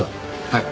はい。